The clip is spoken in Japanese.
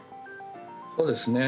そうですね